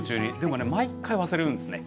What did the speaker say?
でも毎回忘れるんですね。